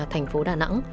thành phố đà nẵng